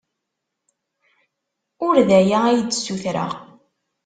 Ur d aya ay d-ssutreɣ.